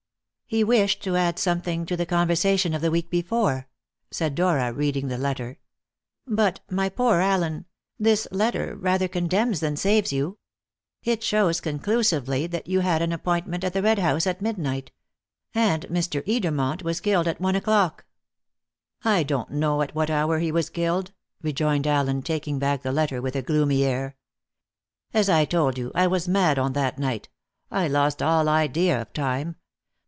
"He wished to add something to the conversation of the week before," said Dora, reading the letter. "But, my poor Allen, this letter rather condemns than saves you. It shows conclusively that you had an appointment at the Red House at midnight. And Mr. Edermont was killed at one o'clock." "I don't know at what hour he was killed," rejoined Allen, taking back the letter with a gloomy air. "As I told you, I was mad on that night. I lost all idea of time.